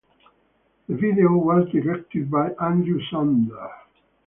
The video was directed by Andrew Sandler.